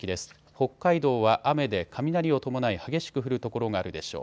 北海道は雨で雷を伴い激しく降る所があるでしょう。